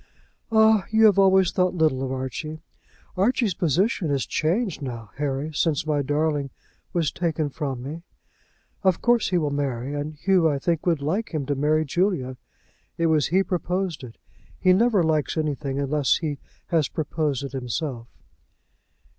"Ah, you have always thought little of Archie. Archie's position is changed now, Harry, since my darling was taken from me. Of course he will marry, and Hugh, I think, would like him to marry Julia. It was he proposed it. He never likes anything unless he has proposed it himself."